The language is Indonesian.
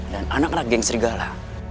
dan anak anak geng serigala